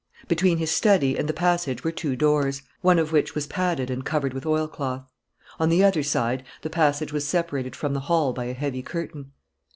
Between his study and the passage were two doors, one of which was padded and covered with oilcloth. On the other side, the passage was separated from the hall by a heavy curtain.